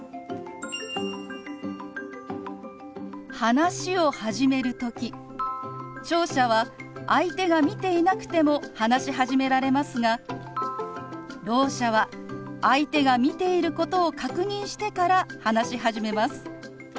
話を始める時聴者は相手が見ていなくても話し始められますがろう者は相手が見ていることを確認してから話し始めます。